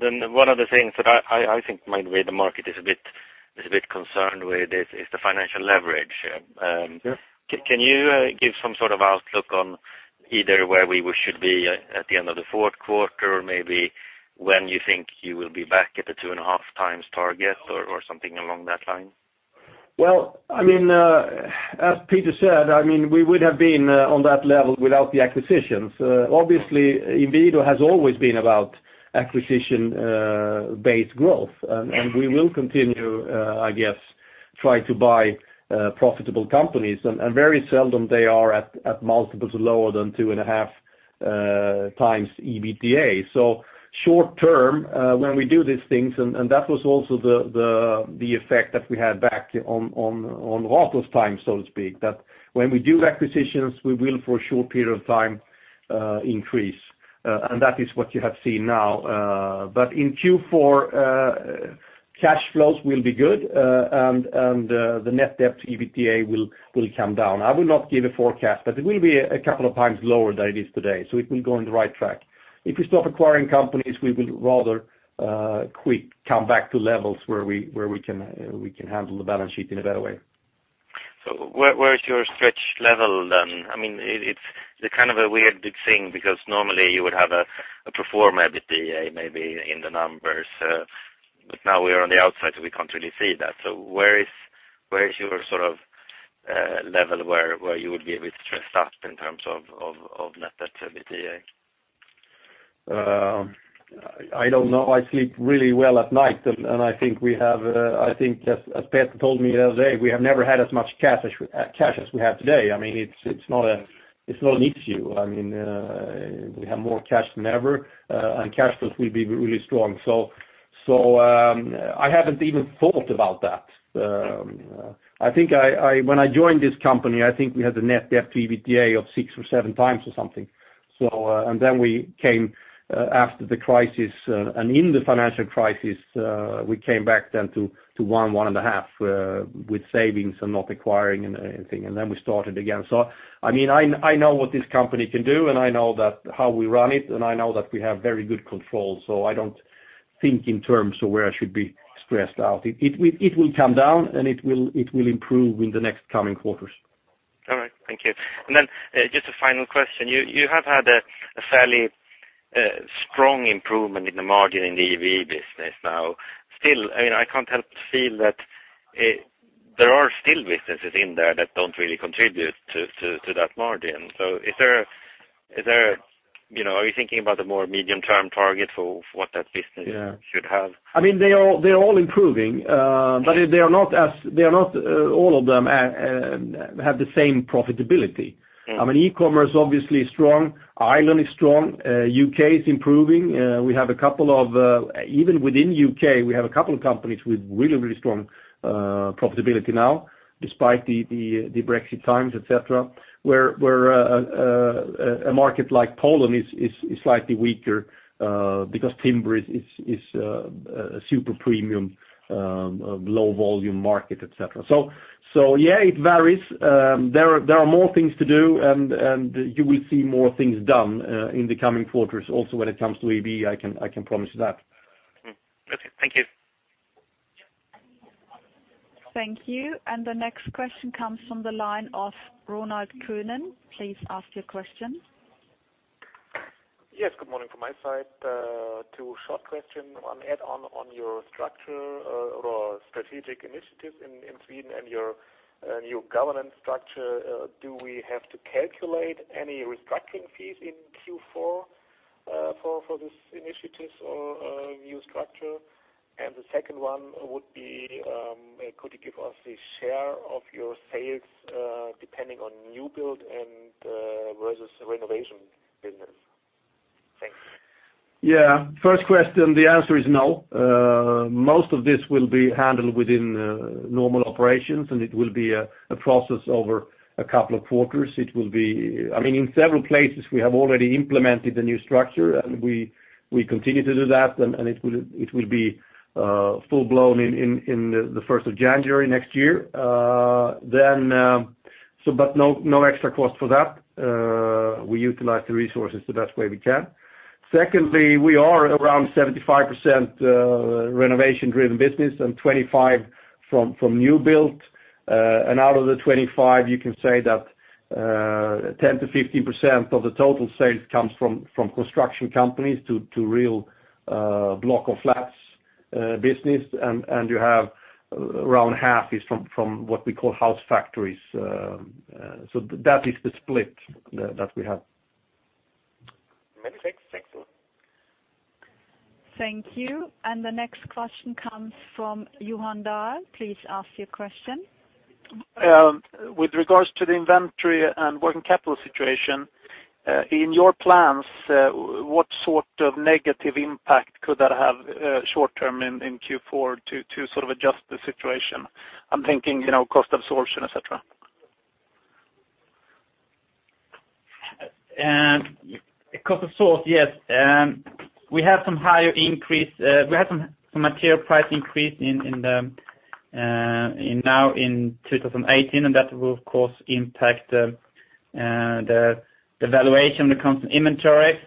One of the things that I think maybe the market is a bit concerned with is the financial leverage. Yes. Can you give some sort of outlook on either where we should be at the end of the fourth quarter, or maybe when you think you will be back at the two and a half times target or something along that line? Well, as Peter said, we would have been on that level without the acquisitions. Obviously, Inwido has always been about acquisition-based growth. We will continue, I guess, try to buy profitable companies, and very seldom they are at multiples lower than two and a half times EBITDA. Short term, when we do these things, and that was also the effect that we had back on a lot of times, so to speak, that when we do acquisitions, we will, for a short period of time, increase. That is what you have seen now. In Q4, cash flows will be good, and the net debt to EBITDA will come down. I will not give a forecast, but it will be a couple of times lower than it is today, it will go in the right track. If we stop acquiring companies, we will rather quick come back to levels where we can handle the balance sheet in a better way. Where is your stretch level then? It's a weird thing because normally you would have a pro forma EBITDA, maybe in the numbers. Now we are on the outside, so we can't really see that. Where is your level where you would be a bit stressed out in terms of net debt to EBITDA? I don't know. I sleep really well at night, and I think, as Peter told me the other day, we have never had as much cash as we have today. It's not an issue. We have more cash than ever, and cash flows will be really strong. I haven't even thought about that. When I joined this company, I think we had a net debt to EBITDA of six or seven times or something. Then after the crisis and in the financial crisis, we came back then to one and a half with savings and not acquiring anything. Then we started again. I know what this company can do, and I know how we run it, and I know that we have very good control, so I don't think in terms of where I should be stressed out. It will come down, and it will improve in the next coming quarters. Thank you. Just a final question. You have had a fairly strong improvement in the margin in the EBE business now. Still, I can't help but feel that there are still businesses in there that don't really contribute to that margin. Are you thinking about the more medium-term target for what that business should have? They're all improving, but all of them have the same profitability. E-commerce obviously is strong. Ireland is strong. U.K. is improving. Even within U.K., we have a couple of companies with really strong profitability now, despite the Brexit times, et cetera, where a market like Poland is slightly weaker because timber is a super premium, low-volume market, et cetera. Yeah, it varies. There are more things to do, and you will see more things done in the coming quarters also when it comes to EBE, I can promise you that. Okay. Thank you. Thank you. The next question comes from the line of Ronald Kunen. Please ask your question. Yes, good morning from my side. Two short questions. One add on your structure or strategic initiatives in Sweden and your new governance structure. Do we have to calculate any restructuring fees in Q4 for these initiatives or new structure? The second one would be, could you give us the share of your sales depending on new build versus renovation business? Thanks. Yeah. First question, the answer is no. Most of this will be handled within normal operations, and it will be a process over a couple of quarters. In several places, we have already implemented the new structure, and we continue to do that, and it will be full-blown in the 1st of January next year. No extra cost for that. We utilize the resources the best way we can. Secondly, we are around 75% renovation-driven business and 25% from new build. Out of the 25%, you can say that 10%-15% of the total sales comes from construction companies to real block of flats business, and you have around half is from what we call house factories. That is the split that we have. Many thanks. Thanks a lot. Thank you. The next question comes from Johan Dahl. Please ask your question. With regards to the inventory and working capital situation, in your plans, what sort of negative impact could that have short term in Q4 to sort of adjust the situation? I'm thinking cost absorption, et cetera. Cost absorption, yes. We have some material price increase now in 2018, That will of course impact the valuation when it comes to inventory.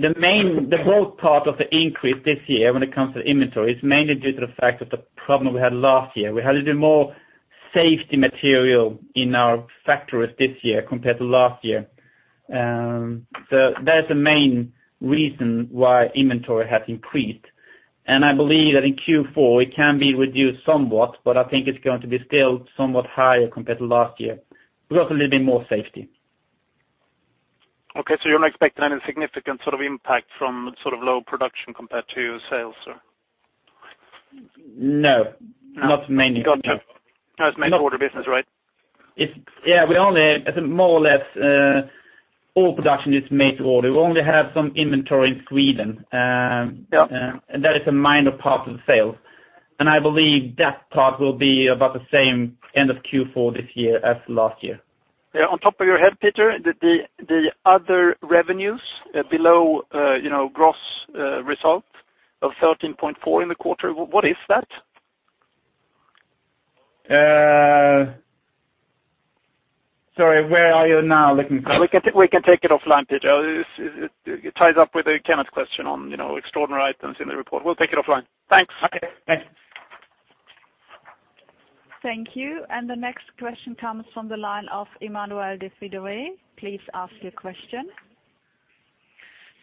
The growth part of the increase this year when it comes to inventory is mainly due to the fact that the problem we had last year. We had a little more safety material in our factories this year compared to last year. That is the main reason why inventory has increased. I believe that in Q4 it can be reduced somewhat, but I think it's going to be still somewhat higher compared to last year. We got a little bit more safety. Okay, you're not expecting any significant sort of impact from low production compared to sales? No, not mainly. Got you. No, it's made to order business, right? More or less all production is made to order. We only have some inventory in Sweden. Yeah. That is a minor part of the sales. I believe that part will be about the same end of Q4 this year as last year. On top of your head, Peter, the other revenues below gross result of 13.4 in the quarter, what is that? Sorry, where are you now looking? We can take it offline, Peter. It ties up with Kenneth's question on extraordinary items in the report. We'll take it offline. Thanks. Okay, thanks. Thank you. The next question comes from the line of Emmanuel de Fridolet. Please ask your question.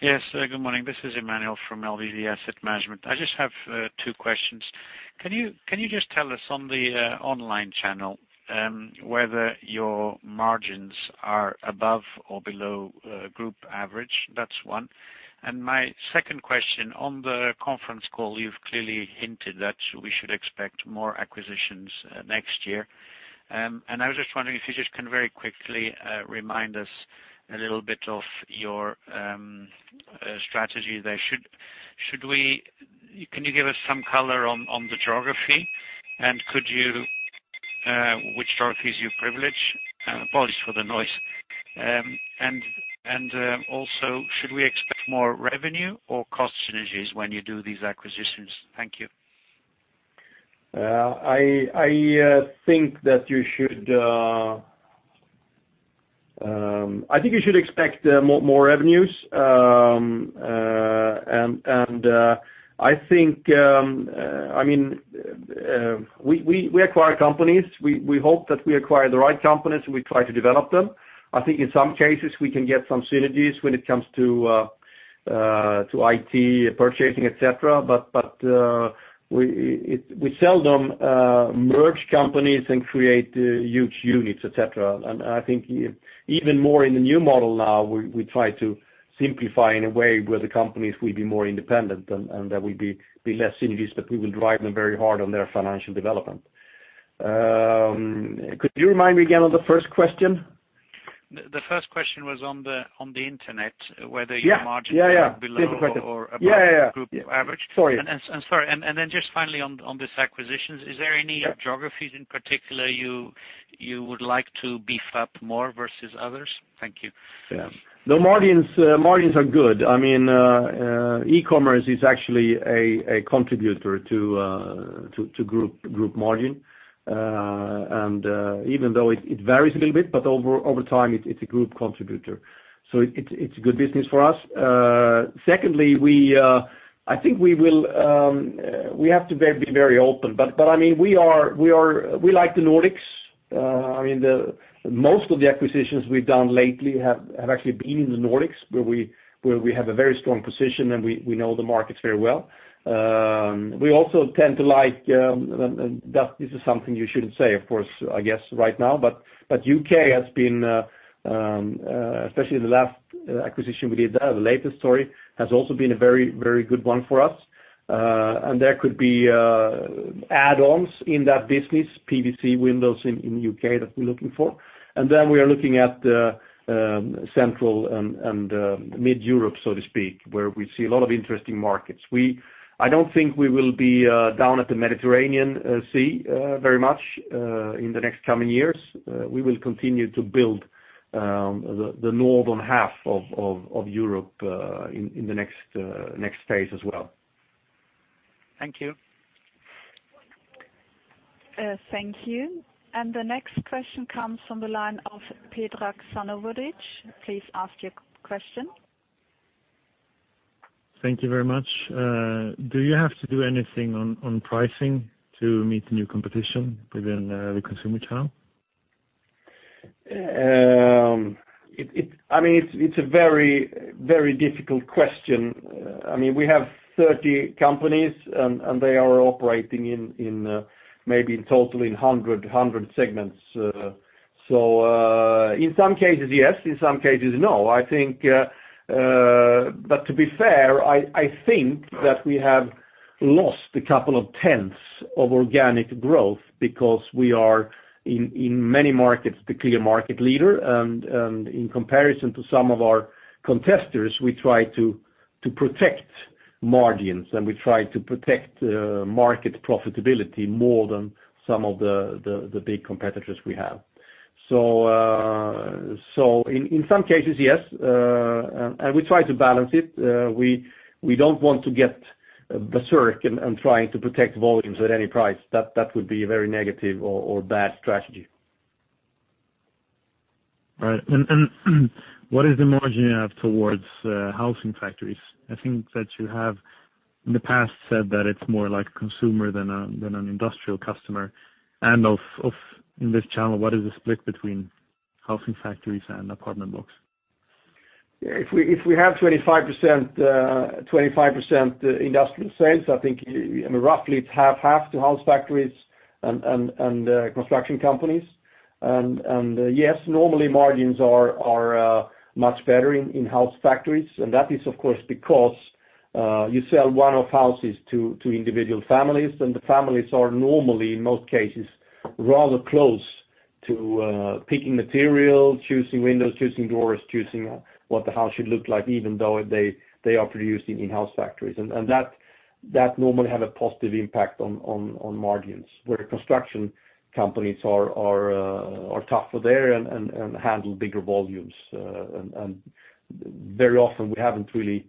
Yes, good morning. This is Emmanuel from LBBW Asset Management. I just have two questions. Can you just tell us on the online channel, whether your margins are above or below group average? That's one. My second question, on the conference call, you've clearly hinted that we should expect more acquisitions next year. I was just wondering if you just can very quickly remind us a little bit of your strategy there. Can you give us some color on the geography? Which geographies you privilege? Apologies for the noise. Should we expect more revenue or cost synergies when you do these acquisitions? Thank you. I think you should expect more revenues. We acquire companies. We hope that we acquire the right companies, and we try to develop them. I think in some cases, we can get some synergies when it comes to IT, purchasing, et cetera, but we seldom merge companies and create huge units, et cetera. I think even more in the new model now, we try to Simplify in a way where the companies will be more independent, and there will be less synergies, but we will drive them very hard on their financial development. Could you remind me again of the first question? The first question was on the internet, whether your margins are below- Yeah. Good question. or above the group average. Sorry. Is there any geographies in particular you would like to beef up more versus others? Thank you. The margins are good. E-commerce is actually a contributor to group margin. Even though it varies a little bit, but over time it's a group contributor. It's a good business for us. Secondly, I think we have to be very open, but we like the Nordics. Most of the acquisitions we've done lately have actually been in the Nordics where we have a very strong position, and we know the markets very well. We also tend to like, and that this is something you shouldn't say of course, I guess right now, but U.K. has been, especially in the last acquisition we did there, the latest story, has also been a very good one for us. There could be add-ons in that business, PVC windows in U.K. that we're looking for. We are looking at Central and Mid-Europe, so to speak, where we see a lot of interesting markets. I don't think we will be down at the Mediterranean Sea very much in the next coming years. We will continue to build the Northern half of Europe in the next phase as well. Thank you. Thank you. The next question comes from the line of Petra Sznolke. Please ask your question. Thank you very much. Do you have to do anything on pricing to meet the new competition within the consumer channel? It's a very difficult question. We have 30 companies, they are operating in maybe totally in 100 segments. In some cases, yes, in some cases, no. To be fair, I think that we have lost a couple of tenths of organic growth because we are, in many markets, the clear market leader, and in comparison to some of our competitors, we try to protect margins, and we try to protect market profitability more than some of the big competitors we have. In some cases, yes. We try to balance it. We don't want to get berserk in trying to protect volumes at any price. That would be a very negative or bad strategy. What is the margin you have towards housing factories? I think that you have in the past said that it's more like a consumer than an industrial customer. In this channel, what is the split between housing factories and apartment blocks? If we have 25% industrial sales, I think roughly it's half to house factories and construction companies. Yes, normally margins are much better in house factories, and that is of course because you sell one-off houses to individual families, and the families are normally, in most cases, rather close to picking material, choosing windows, choosing doors, choosing what the house should look like, even though they are produced in house factories. That normally have a positive impact on margins, where construction companies are tougher there and handle bigger volumes. Very often we haven't really,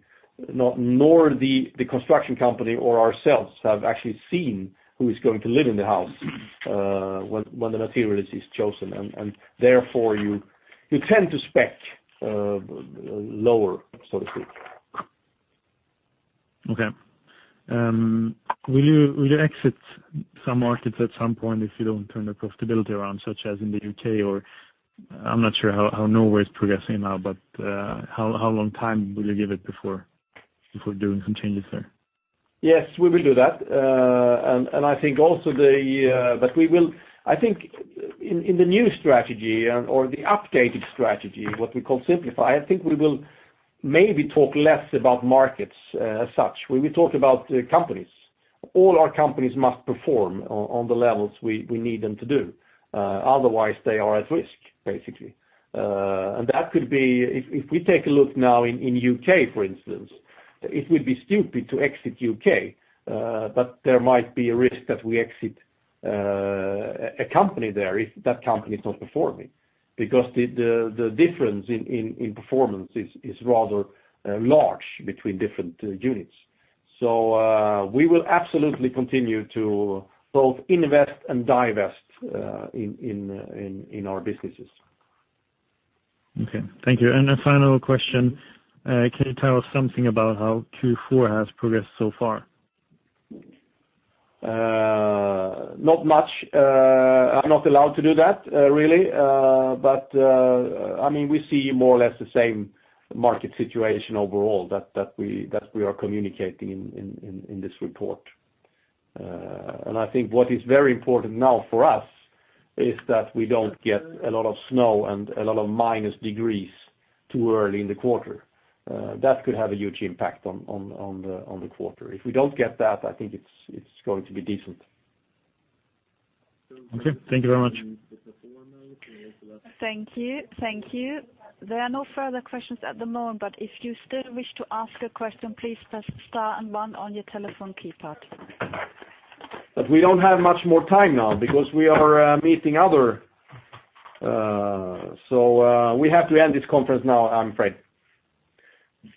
nor the construction company or ourselves, have actually seen who is going to live in the house when the material is chosen. Therefore you tend to spec lower, so to speak. Okay. Will you exit some markets at some point if you don't turn the profitability around, such as in the U.K. or, I'm not sure how Norway is progressing now, how long time will you give it before doing some changes there? Yes, we will do that. I think in the new strategy or the updated strategy, what we call Simplify, I think we will maybe talk less about markets as such, where we talk about companies. All our companies must perform on the levels we need them to do. Otherwise, they are at risk, basically. That could be, if we take a look now in U.K., for instance, it would be stupid to exit U.K. There might be a risk that we exit a company there if that company is not performing, because the difference in performance is rather large between different units. We will absolutely continue to both invest and divest in our businesses. Okay. Thank you. A final question. Can you tell us something about how Q4 has progressed so far? Not much. I'm not allowed to do that, really. We see more or less the same market situation overall that we are communicating in this report. I think what is very important now for us is that we don't get a lot of snow and a lot of minus degrees too early in the quarter. That could have a huge impact on the quarter. If we don't get that, I think it's going to be decent. Okay. Thank you very much. Thank you. There are no further questions at the moment, if you still wish to ask a question, please press Star and One on your telephone keypad. We don't have much more time now because we are meeting other. We have to end this conference now, I'm afraid.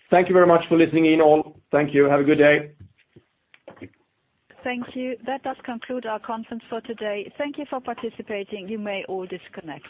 Thank you very much for listening in, all. Thank you. Have a good day. Thank you. That does conclude our conference for today. Thank you for participating. You may all disconnect.